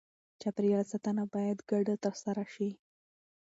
چاپېریال ساتنه باید ګډه ترسره شي.